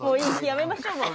やめましょうもう。